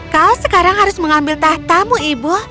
kau sekarang harus mengambil tahtamu ibu